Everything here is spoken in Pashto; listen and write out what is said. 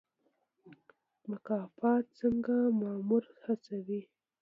مکافات څنګه مامور هڅوي؟